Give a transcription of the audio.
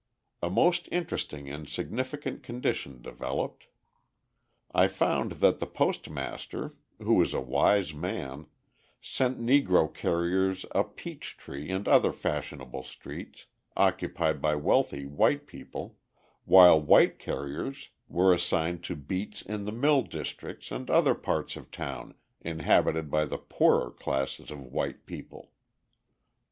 A most interesting and significant condition developed. I found that the postmaster, who is a wise man, sent Negro carriers up Peachtree and other fashionable streets, occupied by wealthy white people, while white carriers were assigned to beats in the mill districts and other parts of town inhabited by the poorer classes of white people.